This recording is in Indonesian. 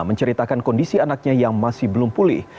menceritakan kondisi anaknya yang masih belum pulih